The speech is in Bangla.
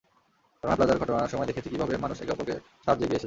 রানা প্লাজার ঘটনার সময় দেখেছি, কীভাবে মানুষ একে অপরের সাহায্যে এগিয়ে এসেছে।